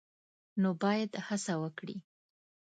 نو باید هڅه وکړي